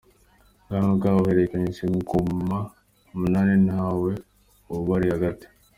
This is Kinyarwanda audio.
Ubwami bwabo babuhererekanyije ingoma umunani nta we ubari hagati.